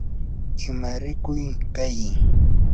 imarikuq kay